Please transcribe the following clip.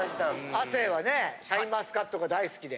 亜生はねシャインマスカットが大好きで。